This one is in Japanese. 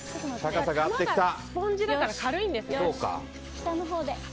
スポンジだから軽いんです。